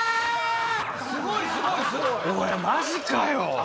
おいマジかよ！